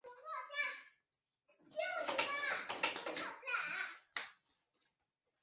此前因为飞碟唱片被华纳音乐收购及唱片合约转移至正东唱片而去向不明。